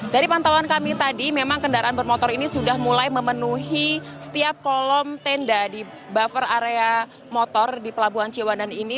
dari pantauan kami tadi memang kendaraan bermotor ini sudah mulai memenuhi setiap kolom tenda di buffer area motor di pelabuhan ciwandan ini